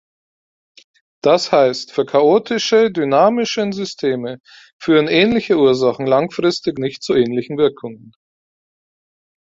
Das heißt, für chaotische dynamischen Systeme führen ähnliche Ursachen langfristig nicht zu ähnlichen Wirkungen.